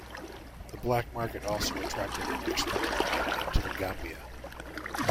The black market also attracted an export drain into the Gambia.